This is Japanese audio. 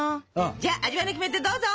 じゃあ味わいのキメテどうぞ！